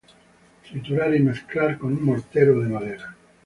Triturar y mezclar con un mortero de madera.